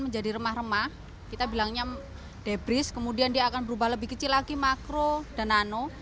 jadi remah remah kita bilangnya debris kemudian dia akan berubah lebih kecil lagi makro dan nano